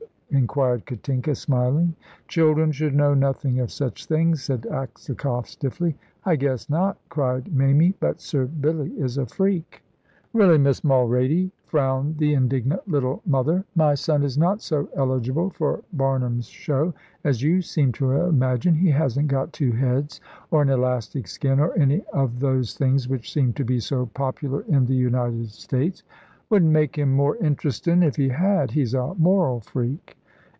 inquired Katinka, smiling. "Children should know nothing of such things," said Aksakoff, stiffly. "I guess not," cried Mamie; "but Sir Billy is a freak." "Really, Miss Mulrady," frowned the indignant little mother, "my son is not so eligible for Barnum's Show as you seem to imagine. He hasn't got two heads, or an elastic skin, or any of those things which seem to be so popular in the United States." "Wouldn't make him more interestin' if he had. He's a moral freak."